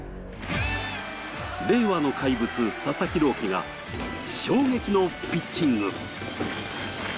令和の怪物・佐々木朗希が衝撃のピッチング。